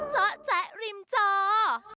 เจ้าแจ๊กรีมเจ้า